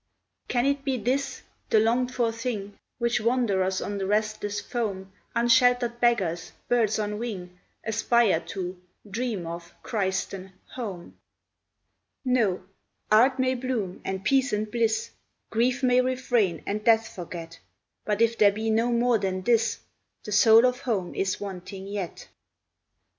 Can it be this, the longed for thing Which wanderers on the restless foam, Unsheltered beggars, birds on wing, Aspire to, dream of, christen "Home"? No. Art may bloom, and peace and bliss; Grief may refrain and Death forget; But if there be no more than this, The soul of home is wanting yet.